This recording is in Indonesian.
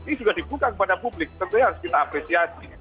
ini juga dibuka kepada publik tentunya harus kita apresiasi